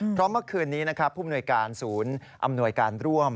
เพราะเมื่อคืนนี้นะครับผู้มนวยการศูนย์อำนวยการร่วม